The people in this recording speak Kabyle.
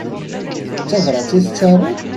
D tabrat i tettaruḍ?